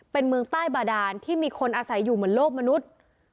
เป็นเมืองใต้บาดานที่มีคนอาศัยอยู่เหมือนโลกมนุษย์